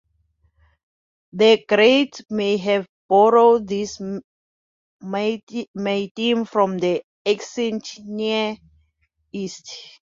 The Greeks may have borrowed this mytheme from the Ancient Near East.